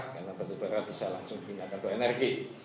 karena batu bara bisa langsung dinyatakan energi